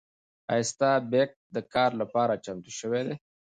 ایا ستا بیک د کار لپاره چمتو شوی دی؟